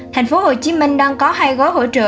tp hồ chí minh đang có hai gói hỗ trợ